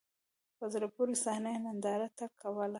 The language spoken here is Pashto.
په زړه پوري صحنه یې نندارې ته کوله.